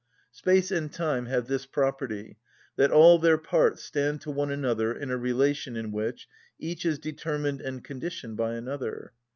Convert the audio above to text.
Space and time have this property, that all their parts stand to one another in a relation in which each is determined and conditioned by another.